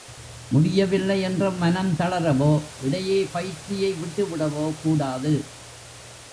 முடியவில்லை என்ற மனந்தளரவோ இடையே பயிற்சியை விட்டுவிடவோ கூடாது.